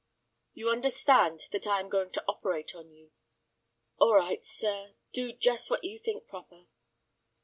"You understand that I am going to operate on you?" "All right, sir, do just what you think proper."